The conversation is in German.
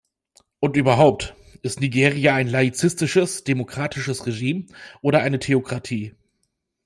Und überhaupt, ist Nigeria ein laizistisches, demokratisches Regime oder eine Theokratie?